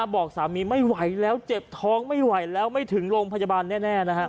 บอกสามีไม่ไหวแล้วเจ็บท้องไม่ไหวแล้วไม่ถึงโรงพยาบาลแน่